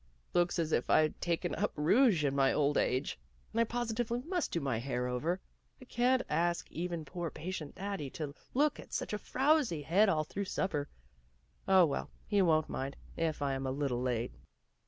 " Looks as if I'd taken up rouge in my old age. And I positively must do my hair over. I can't ask even poor patient daddy to look at such a frowsy head all through supper. 0, well, he won't mind, if I am a little late."